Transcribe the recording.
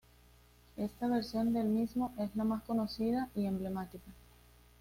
Esta versión del mismo es la más conocida y emblemática.